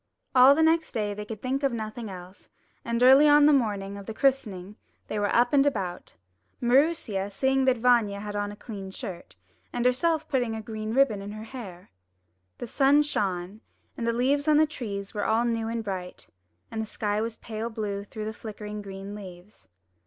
All the the next day they could think of nothing else, and early on the morning of the christening they were up and about, Maroosia seeing that Vanya had on a clean shirt, and herself putting a green ribbon in her hair. The sun shone, and the leaves on the trees were all new and bright, and the sky was pale blue through the flickering green leaves.